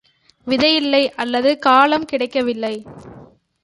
விதையில்லை அல்லது காலம் கிடைக்க வில்லை.